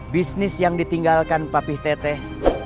bisnis yang ditinggalkan papih teteh